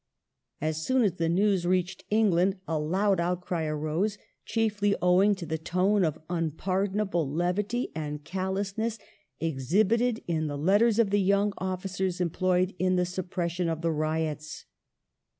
As soon as the news reached England a loud outcry arose, chiefly owing to the tone of unpardonable levity and callousness exhibited in the letters of the younger officers employed in the suppression of the riots.